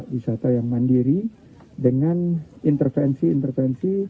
kampung yoboi adalah desa yang mandiri dengan intervensi intervensi